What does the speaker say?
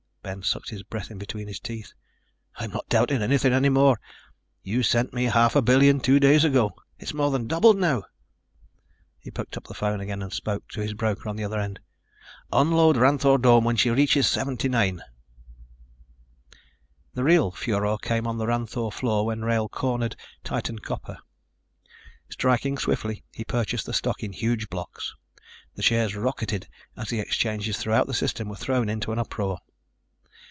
Ben sucked his breath in between his teeth. "I'm not doubting anything any more. You sent me half a billion two days ago. It's more than doubled now." He picked up the phone again and spoke to his broker on the other end. "Unload Ranthoor Dome when she reaches 79." The real furor came on the Ranthoor floor when Wrail cornered Titan Copper. Striking swiftly, he purchased the stock in huge blocks. The shares rocketed as the exchanges throughout the System were thrown into an uproar.